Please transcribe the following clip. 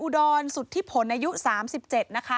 ก่อนสุดที่ผลในยุค๓๗